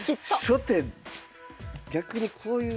初手逆にこういう。